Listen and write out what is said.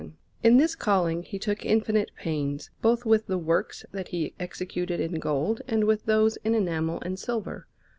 Florence: Uffizi, 1301_) Alinari] In this calling he took infinite pains, both with the works that he executed in gold and with those in enamel and silver.